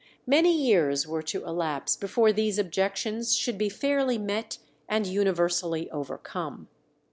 Many years were to elapse before these objections should be fairly met and universally overcome.